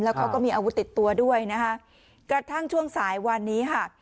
เขาก็มีอาวุธติดตัวด้วยนะคะกระทั่งช่วงสายวันนี้ค่ะ